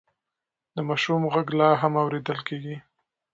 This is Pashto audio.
د ماشوم غږ لا هم اورېدل کېږي.